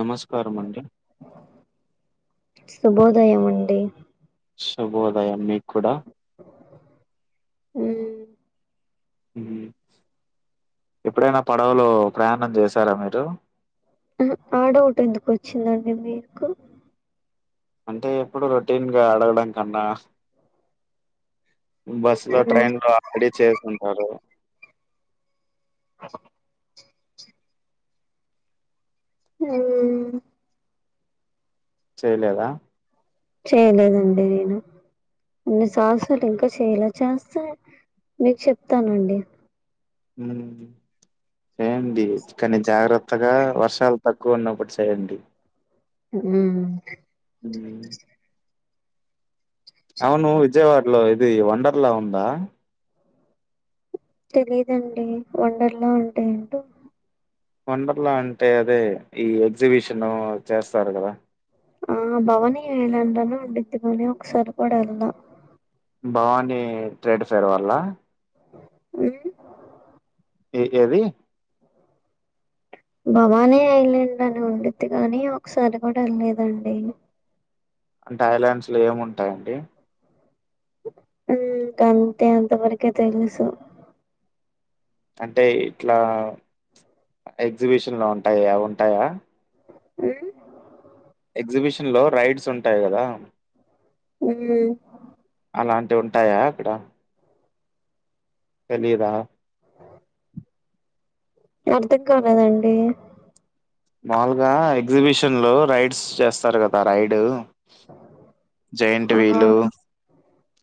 నమస్కారం అండి శుభోదయం అండి శుభోదయం మీకు కూడ ఉ ఎప్పుడైన పడవలో ప్రయాణం చేసార మీరు ఆ డౌట్ ఎందుకు వచ్చిందండి మీకు అంటే ఎప్పుడు రొటీన్గా అడగడం కన్నా బస్సు లో ఉమ్ ట్రైన్ లో [unintelligible] చేస్తుంటారు అస్ హు చేయలేద చేయలేదండి నేను కొన్ని [unintelligible] ఇంకా చేయలా చేస్తా మీకు చెప్తానండి [unintelligible] కానీ జాగ్రత్తగ వర్షాలు తక్కువ ఉన్నప్పుడు చేయండి ఉ ఉ అవును విజయవాడలో ఇది వండర్ లా ఉందా తెలిదండి వండర్లా అంటే ఏంటో వండర్లా అంటే అదే ఈ ఎగ్జిబిషన్ చేస్తారు కదా. ఆ భవనీ ఐలాండ్ లోనే ఉండిద్ది కానీ ఒకసారి కూడా ఎళ్ళలా. భవాని ట్రేడ్ ఫేర్ వాల్లా. హ్ ఏ ఏది? భవానీ ఐలాండ్ అని ఉండిద్ది కానీ ఒకసారి కూడా వెళ్ళ లేదండి. అంటే ఐలాండ్స్లో ఏముంటయండి? ఉ గంతే అంతవరకే తెలుసు. అంటే ఇట్లా ఎగ్జిబిషన్లో ఉంటాయి అవి ఉంటాయా. హ్ ఎగ్జిబిషన్లో రైడ్స్ ఉంటాయి కదా. ఉ అలాంటివి ఉంటాయా అక్కడ? తెలీదా. అర్థం కాలేదండి. మామూలుగా ఎగ్జిబిషన్ లో రైడ్స్ చేస్తారు కదా రైడ్. జైంట్ ఆ వీలు,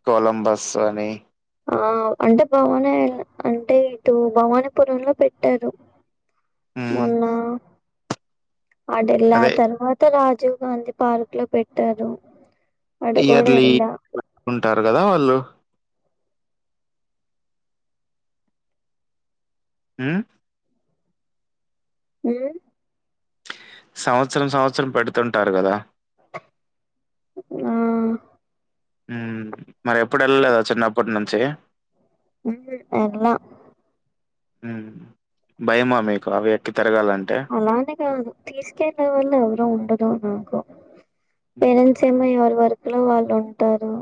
కొలంబస్ అని ఆ అంటే భవానే అంటే ఇటు భవానీపురంలో పెట్టారు. హ్మ్. మొన్నా అటెల్లా అదే తర్వాత రాజీవ్ గాంధీ పార్క్లో పెట్టారు. అటు కూడా ఇయర్లీ ఎళ్ళా. పెట్టుకుంటారు కదా వాళ్ళు. హ్ హ్ సంవత్సరం సంవత్సరం పెడుతుంటారు కదా. ఆ మరి ఎప్పుడు ఎళ్ళలేదా చిన్నప్పటి నుంచి. ఎల్లలా. భయమా మీకు అవి ఎక్కి తిరగాలంటే? అలాని కాదు తీసుకెళ్ళే వాళ్ళు ఎవరు ఉండరు నాకు. హ్మ్. పేరెంట్స్ ఏమో ఎవరి వర్క్ లో వాళ్ళు ఉంటరు,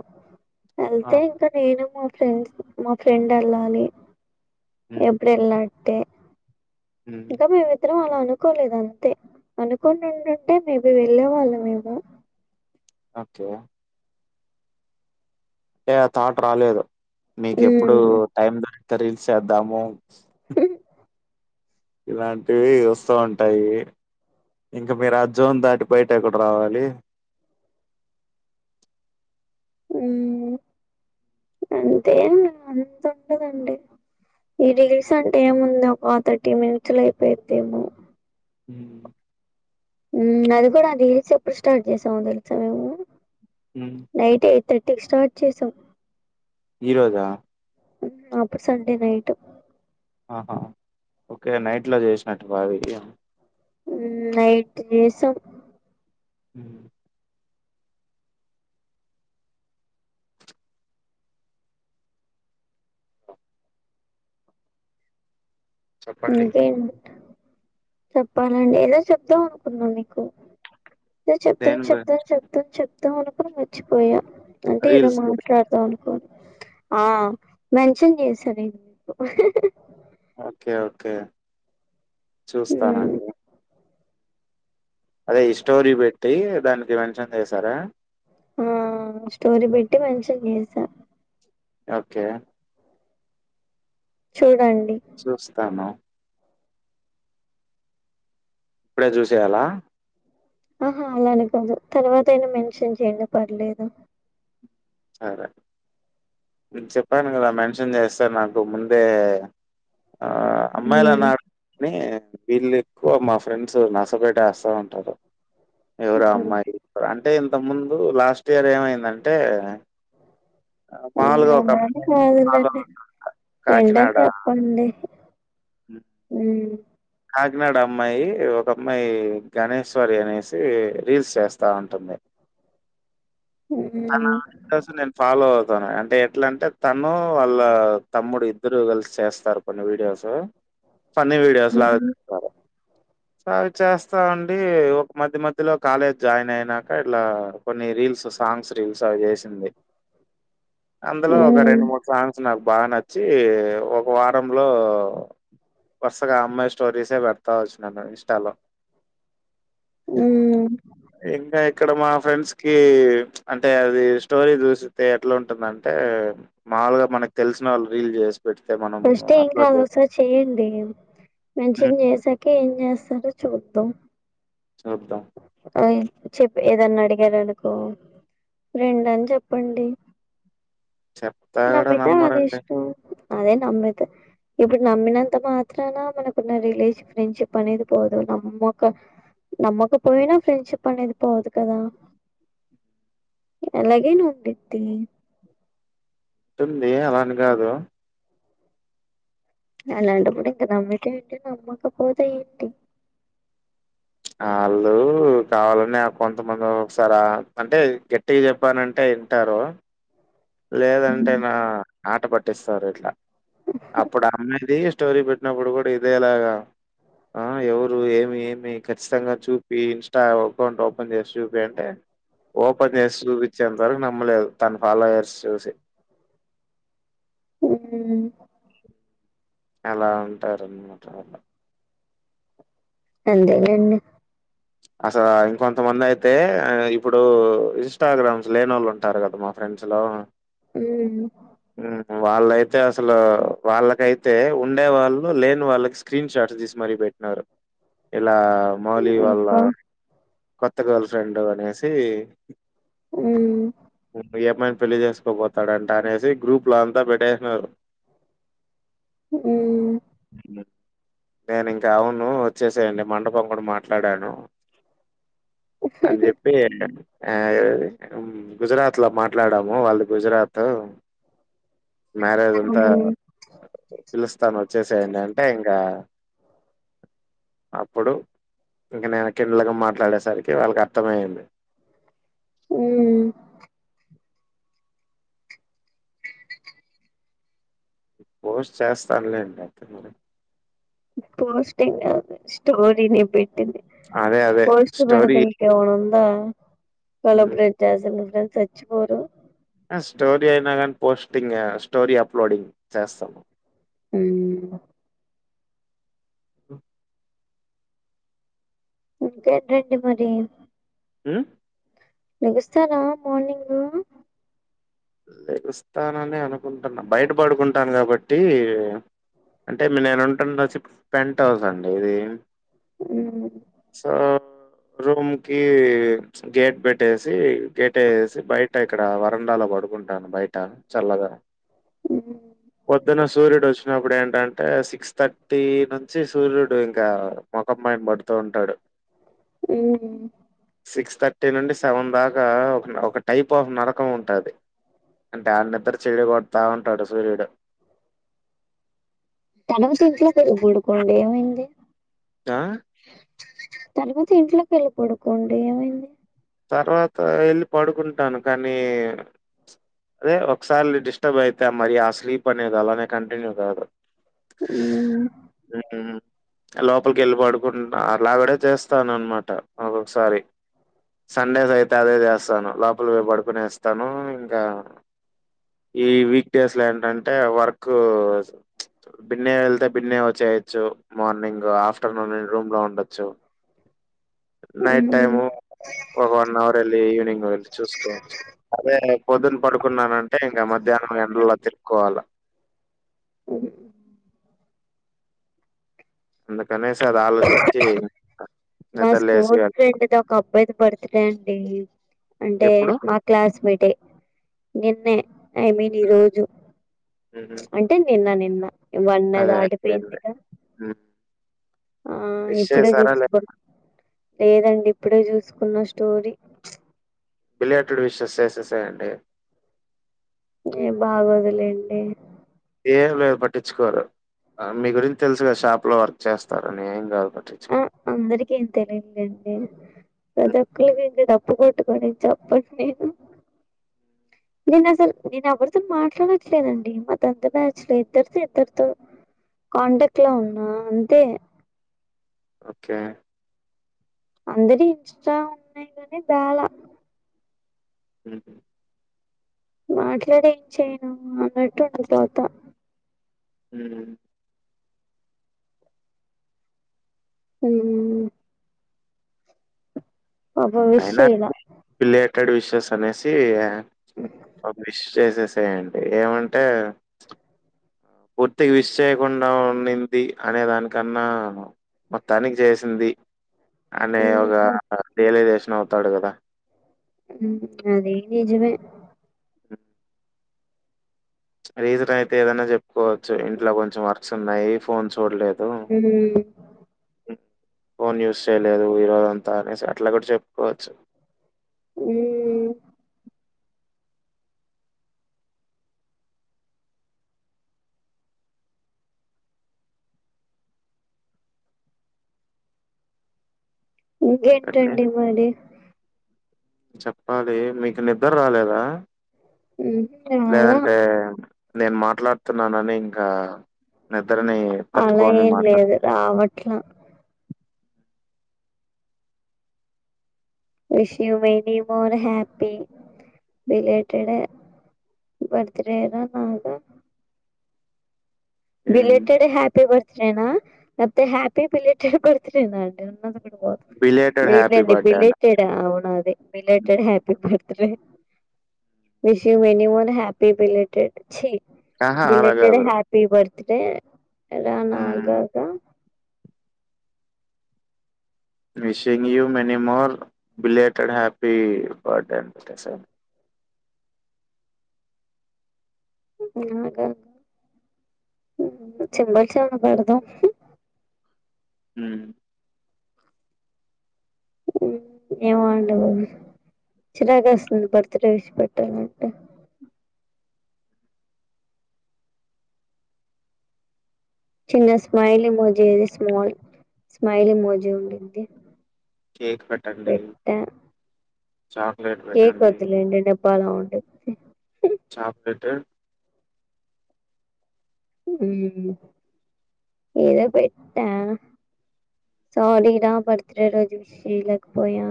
ఆ! ఎళ్తే ఇంకా నేను మా ఫ్రెండ్స్ మా ఫ్రెండ్ ఎళ్ళాలి హ్మ్. ఎప్పుడు ఎళ్ళట్టే హ్మ్. ఇంకా మేమిద్దరం అలా అనుకోలేదు అంతే. అనుకొని ఉండుంటే మేబి వెళ్ళే వాళ్ళం ఏమో. ఓకే అంటే ఆ థాట్ రాలేదు మీకు ఎప్పుడు టైం దొరికితే రీల్స్ చేద్దాము హ్మ్. ఇలాంటివి వస్తూ ఉంటాయి. ఇంకా మీరు ఆ జోన్ దాటి బయట ఎప్పుడు రావాలి. ఉమ్ అంటే అంతుండదండి. ఈ రీల్స్ అంటే ఏముంది ఒక థర్టీ మినిట్స్ లో అయిపేయిద్దేమో. హ్మ్ ఉ అది కూడా రీల్స్ ఎప్పుడు స్టార్ట్ చేసామో తెలుసా మేము. హ్ నైట్ ఎయిట్ థర్టీకి స్టార్ట్ చేసాం. ఈరోజా? అప్పుడు సండే నైట్. ఆహా ఓకే నైట్లో చేసినట్టు బావీ మ్ నైట్ చేసం [inaudible] చెప్పండి. ఇంక ఏంది చెప్పాలండి ఏదో చెప్దాం అనుకున్నా మీకు అదే చెప్తాన్ దేని చెప్తాం గురించి? చెప్తాం చెప్తాం అనుకొని మర్చిపోయా అంటే ఏదో రీల్స్ గురించి. మాట్లాడతా ఆ మెన్షన్ చేసది ఓకే ఓకే హ్మ్. చూస్తానండి. అదే ఇ స్టోరీ పెట్టి దానికి మెన్షన్ చేసారా? ఆ స్టోరీ పెట్టి మెన్షన్ చేసా. ఓకే. చూడండి. చూస్తాను. ఇప్పుడే చూసేయలా ఆహా అలా అని కాదు తర్వాత అయిన మెన్షన్ చేయండి పర్లేదు. సరే నేన్ చెప్పాన్ కదా మెన్షన్ చేస్తే నాకు ముందే ఆ ఉమ్ అమ్మాయిలన్నా కనీ వీళ్లెక్కువ మా ఫ్రెండ్స్ నస పెట్టేస్తా ఉంటారు. ఎవరా అమ్మాయి అంటే ఇంత ముందు లాస్ట్ ఇయర్ ఏమైందంటే ఆహ్, మ్ మామూలుగా ఒక ఏమన్న అంటే అమ్మాయి ఫాలో కాదులెండి అవుతుంటా. ఫ్రెండ్ అన్ కాకినాడ చెప్ పండి హ్మ్. మ్ కాకినాడ అమ్మాయి ఒక అమ్మాయి గణేశ్వరి అనేసి రీల్స్ చేస్తా ఉంటుంది. తనా ఉమ్ నేన్ ఫాలో అవుతాను అంటే ఎట్లంటే తనూ వాళ్ళ తమ్ముడు ఇద్దరు కలిసి చేస్తారు. కొన్ని వీడియోస్ పన్నీ వీడియోస్లా ఉమ్ చేస్తారు. సో అవి చేస్తా అండి ఒక్ మధ్య మధ్యలో కాలేజ్ జాయిన్ అయినాక ఇట్లా కొన్ని రీల్స్ వస్ సాంగ్స్ రీల్స్ అవి చేసింది అందులో ఒక ఉమ్ రెండు మూడు సాంగ్స్ నాకు బాగా నచ్ చ్చీ ఒక వారంలో వరుసగా అమ్మాయి స్టోరీసే పెడ్తా వచ్చి నేన్ ఇన్స్టాలో మ్ మ్ ఇంకా ఇక్కడ మా ఫ్రెండ్స్కీ అంటే అదీ స్టోరీ చూస్తే ఎట్లుంటుందంటే మాముూల్గ మనక్ తెల్సిన వాళ్ళు రీల్ జే పెడ్తే మన ఫస్టే ఏం కాద్ ఒకసార్ చేయండి మెన్షన్ హ్మ్. చేసా కే ఏం చేస్తాదో చూద్దాం. చూద్దాం. ఓయ్ చెప్పు ఏదన్ అడిగారనుకో ఫ్రెండ్ అన్ చెప్పండి చెప్తా కూడా నమ్మితే ఆ నమ్మరండి లిస్టు అదే నమ్మితె ఇప్పుడ్ నమ్మినంత మాత్రాన మనకున్న రిలేష ఫ్రెండ్షిప్ అనేది పోదు నమ్మక నమ్మకపోయినా ఫ్రెండ్షిప్ అనేది పోదు కదా ఎలాగైన ఉండిద్ది. ఉంటుందీ అలా అని గాదు. అలాంటప్పుడ్ ఇంక నమ్మితే ఏంటి నమ్మకపోతే ఏంటి. ఆళ్ళు కావాలని కొంతమంది ఒకసార అంటే గట్టిగా చెప్పానంటే టారు లేదంటే నా ఆట పట్టిస్తారు ఇట్లా అప్పుడు అమ్మిది స్టోరీ పెట్టినప్పుడు కూడా ఇదేలాగా ఆ ఎవరు ఏమి ఏమి ఖచ్చితంగా చూపి ఇన్స్టా అకౌంట్ ఓపెన్ చేసి చూపి అంటే ఓపెన్ చేసి చూపించేంత వరకు నమ్మలేదు తన ఫాలోయర్స్ చూసి ఉహు అలా అంటారు అంతేలేండి అసల ఇంకొంతమంది అయితే ఇప్పుడు ఇన్స్టాగ్రామ్స్ లేనోళ్ళు ఉంటారు కదా మా ఫ్రెండ్స్ లో ఉహు ఉహు వాళ్ళయితే అసలు వాళ్ళకైతే ఉండే వాళ్ళు లేని వాళ్ళకి స్క్రీన్ షాట్స్ తీసి మరి పెట్ నారు ఇలా మౌలీ వాళ్ళ అబ్బా కొత్త గర్ల్ ఫ్రెండ్ అనేసి ఊ ఏమైనా పెళ్లి చేసుకోపోతాడంట అనేసి గ్రూప్లో అంతా పెట్టేసినారు. ఉ ఉ నేను ఇంకా అవును వచ్చేసేయండి మండపం కూడా మాట్లాడాను అని చెప్పి ఆ ఏది ఉ గుజరాత్ లో మాట్లాడాము వాళ్ళది గుజరాత్. మ్యారేజ్ అంతా ఉమ్ పిలుస్తాను వచ్చేసేయండి అంటే ఇంగా అప్పుడు ఇంక నేను కిన్నలగా మాట్లాడేసరికి వాళ్ళకి అర్ధమయ్యింది ఊ పోస్ట్ చేస్తానులేండి అయితే మరి పోస్టింగ్ కాదు స్టోరినే పెట్టింది అదే అదే పోస్ట్ స్టోరీ పడదు ఇంక ఉంటా హ్మ్. కొలబ్రెడ్ జేసే నీ ఫ్రెండ్స్ సచ్చిపోరు ఆ స్టోరీ అయినా కానీ పోస్టింగ్ స్టోరీ అప్లోడింగ్ చేస్తాం. ఊ ఇంకా రండి మరి ఉ లెగుస్తారా మార్నింగ్ లెగుస్తాననె అనుకుంటున్నా బయటపడుకుంటాను కాబట్టి అంటే మీ నేను ఉంటాండ షిఫ్ట్ పెంట్ హౌస్ అండీ ఉహు సా రూం కి గేట్ పెట్టేసి గేట్ ఏసి బయట ఇక్కడ వరండాలో పడు వుంటాను బయట చల్లగా ఉమ్ పొద్దున సూర్యుడు వచ్చినప్పుడు ఏంటన్ టే సిక్స్ థర్టీ నుంచి సూర్యుడు ఇంకా ముఖం పైన పడుతూ ఉంటాడు ఉ సిక్స్ థర్టీ నుండి సెవెన్ దాకా ఒక ఒక టైప్ ఆఫ్ నరకం ఉంటాది. దాని నిద్ర చెడు కొడతా ఉంటాడు సూర్యుడు తనవి [unintelligible] పడుకోండి ఆ తర్వాత ఇంట్లోకి వెళ్ళి పడుకోండి ఏమైంది తర్వాత వెళ్ళి పడుకుంటాను కానీ అదే ఒకసారి డిస్టర్బ్ అయితే మరి ఆ స్లీప్ అనేది అలానే కంటిన్యూ కాదు మ్మ్ ఆఎ ట నో లోపలికి వెళ్ళి పడుకుంట అలావిడ చేస్తాననమాట ఒక్కొక్కసారి సండేస్ అయితే అదే చేస్తాను లోపలికి పోయి పడుకొనినెస్తాను ఇంకా ఈ వీక్డేస్లో ఏంటంటే వర్క్ బిన్నె వెళ్తే బిన్నె వచ్చేయొచ్చు మార్నింగ్ ఆఫ్టర్నూన్ రూమ్లో ఉండొచ్చు మ్మ్ నైటైము ఒగ వన్ అవర్ వెళ్లి ఈవినింగ్ వచ్చి చూసుకోవచ్చు అదే పొద్దున్న పడుకున్నానంటే ఇంకా మధ్యాహ్నం ఎండల్లో తిరుక్కోవాలి అ అందుకనేసి అది ఆలోచించి మా నిద్ర లేసి స్కూల్ వెళ్తాం. ఫ్రెండ్దొక అబ్బాయిది బర్త్ డే అండి అంటే ఎప్పుడు? మా క్లాస్మేటే నిన్నే ఐ మీన్ హ్మ్. ఈరోజు హుహు. అంటే అంటే నిన్న నిన్న ఇవన్నది దాటిపోయిందిగా ఉమ్ ఆ ఇప్పుడే చూసుకో లేదండి ఇప్పుడే చూసుకున్న స్టోరీ బిలేటెడ్ విషెస్ సేసేయండి ఏం బాగోదులేండి ఏంలే పట్టించుకోరు మీ గురించి తెలుసు గదా షాప్లో వర్క్ చేస్తారని ఏంగాదు ఆ పట్టించుకొరు అందరికి ఇంతేలేండి ప్రతి హ్మ్. ఒక్కరికి ఇంతే డబ్బు తప్పు కొట్టుకని చెప్పను నేను నేను అసలు నేను ఎవరితో మాట్లాడట్లేదండి మా టెన్త్ బ్యాచ్ లో ఇద్దరితో ఇద్దరితో కాంటాక్ట్ లో ఉన్నా అంతే ఓకే అందరి ఇన్స్టాలు ఉన్నాయి గానీ బేల అ మాట్లాడి ఏం చేయను అన్నట్టు ఉండి పోత ఉమ్ ఉమ్ పాపం విష్ అయినా చేయలా బిలేటెడ్ విషెస్ అనేసి ఒక విష్ సేసేయండి ఏమంటే పూర్తిగా విస్ చేయకుండా ఉన్నింది అనే దానికన్నా మొత్తానికి చేసింది అనే ఒక ఉమ్ రియలైజేషన్ అవుతాడు కదా మ్ అదే నిజమే రీజన్ అయితే ఏదన్నా చెప్పుకోవచ్చు ఇంట్లో కొంచెం వర్క్స్ ఉన్నాయి ఫోన్ చూడలేదు ఉమ్ ఫోన్ యూజ్ చేయలేదు ఈరోజంతా అనేసి అట్లా కూడా చెప్పుకోవచ్చు ఉ కానీ ఇగెంటండి మరి చెప్పాలి మీకు నిద్ర రాలేదా ఉహు రాలా లేదంటే నేను మాట్లాడుతున్నానని ఇంకా నిద్రనీ తట్టుకొని మాట్లాడు రావట్ల wish you many more happy. రిలేటెడె వర్త్ రేగ బాగా ఏం బిలేటెడ్ హ్యాపీబర్త్ డేనా లేపోతే హ్యాపీ బిలేటెడ్ బర్త్ డేనా [unintelligible] బిలేటెడ్ హ్యాపీ లేదండి బర్త్డే అన్న. బిలేటడా అవునా అదే హ్మ్. Belated happy birthday wish you many more happy belated చి ఆహా అలా బిలేటెడ్ కాదు. హ్యాపీ పి బర్త్ డే రన హ్మ్. గగా wishing you many more belated happy birthday [unintelligible] చిమ్మచాలబెదడం ఉ ఏమొండి చిరాగా వేస్తుంది బర్త్ డే విసి పెట్టాలంటే చిన్న స్మైల్ ఇమోజి ఆది స్మాల్ స్మైల్ ఇమోజీ ఉండిది కేక్ పెట్టండి చాక్లెట్ కేకు పెట్టండి. వద్దులేండి డబ్బలొఉంటాయి. చెక్లేట్. ఉమ్ ఏదో పెట్టా సారీ రా బర్త్ డే రోజు విష్ చేయలేక పోయా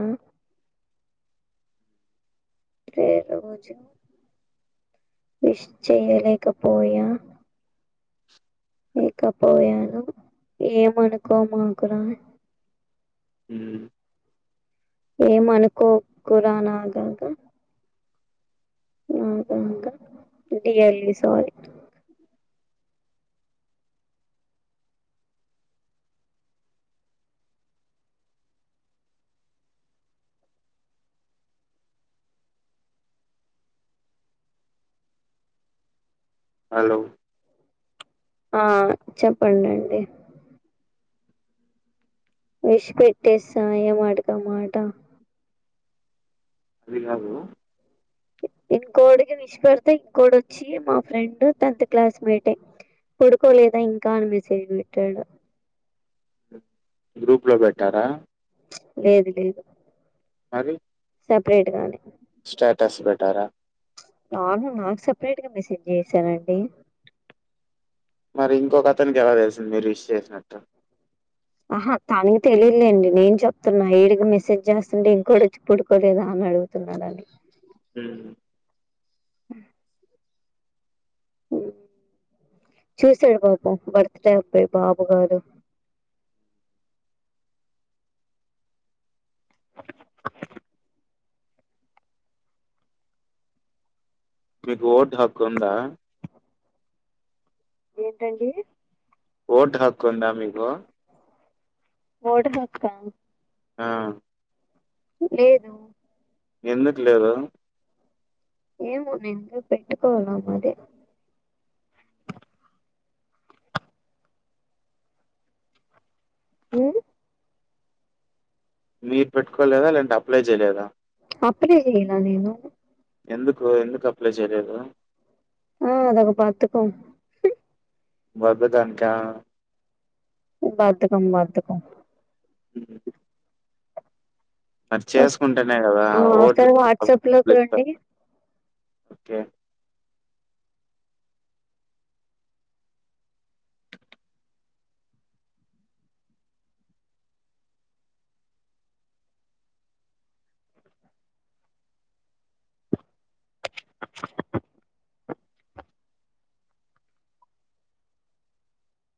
అదే రోజు విష్ చెయలేకపోయా ఇకాపోయను ఏం అనుకోమాకురా ఉమ్ ఏమ అనుకోకురానాగాగా అంటె ఎర్లీ సారీ హలో ఆ చెప్పండండి ఇష్ పెట్టేసా ఏ మాటకు అమాట. వీలాలు ఇంకోడికి నిష్పడిత ఇంకోడు వచ్చి మా ఫ్రెండ్ టెన్త్ క్లాస్మేటె పడుకోలేదా ఇంకా అనిమెసెజ్ పెట్టాడు. గ్రూప్ లో పెట్టారా లేదు. లేదు. మరి సప్రేట్ గానె స్టేటస్ పెట్టారా నను నాకు సపరేట్ గా మెసేజ్ చేసారండి మరి ఇంకొక అతనికి ఎలా తెలుసింది మీరు విష్ చేసినట్టు ఆహా తానతే తెలియలేండి నేను చెప్పుతూన్న ఇడికి మెసేజ్ చేస్తుంటే ఇంకోడు వచ్చి పుడుకోలేదా అనీ ఆడుగుతున. కరాడి ఉ మా. చేసాడు బాబు బర్త్ డే అబాయి బాబు కాదు ఒ ఒ మీకు ఓటు హక్కు ఉందా ఏంటండి ఓటు హక్కు ఉందా మీకు ఒల్డ్ బస్టాండ్ ఆ లేదు ఎందుకు లేదు ఏమో నేన్ ఇంకా పెట్టుకోలా మరి హుమ్ మీర్ పెట్టుకోలేదా లేదంటే అప్లై చేయలేదా అప్లై చెయలా నేను ఎందుకు ఎందుకు అప్లై చేయలేదు ఆ అదొక బద్ధకం బద్దదన్ కా బధకం బధకం హ మరి వస్ చేసుకుంటేనే కదా ఆ! ఓట్లు ఒకసారి వాట్సాప్‌లోకి రండి. ఓకే